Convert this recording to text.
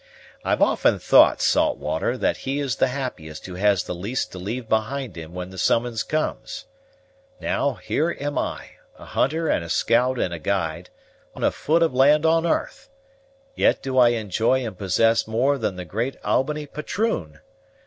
I've often thought, Saltwater, that he is the happiest who has the least to leave behind him when the summons comes. Now, here am I, a hunter and a scout and a guide, although I do not own a foot of land on 'arth, yet do I enjoy and possess more than the great Albany Patroon.